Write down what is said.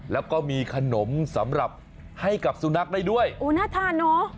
แล้วก็มีขนมสำหรับให้กับสุนัขได้ด้วยโอ้น่าทานเนอะ